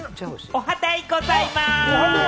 おはデイございます！